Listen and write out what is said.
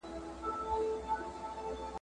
دغو زده کړو ته يې د سکولاستيک نوم کاراوه.